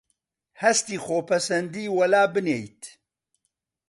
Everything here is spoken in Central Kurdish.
هەستی خۆپەسەندیی وەلابنێیت